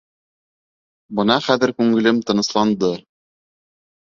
Бына хәҙер күңелем тынысланды.